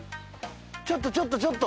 ちょっとちょっとちょっと。